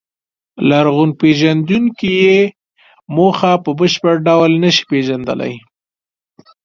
لرغونپېژندونکي یې موخه په بشپړ ډول نهشي پېژندلی.